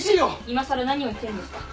いまさら何を言ってるんですか！